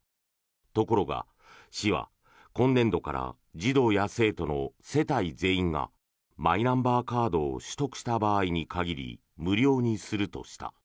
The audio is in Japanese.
ところが、市は今年度から児童や生徒の世帯全員がマイナンバーカードを取得した場合に限り無料にするとした。